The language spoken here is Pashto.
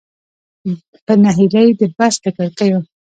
په نهیلۍ د بس له کړکیو.